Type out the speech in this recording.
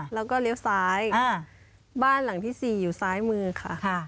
แล้วก็เลี้ยวซ้ายบ้านหลังที่๔อยู่ซ้ายมือค่ะ